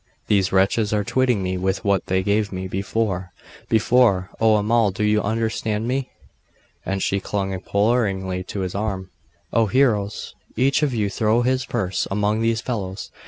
These wretches are twitting me with what they gave me before before oh Amal, you understand me?' And she clung imploringly to his arm. 'Oh! Heroes! each of you throw his purse among these fellows!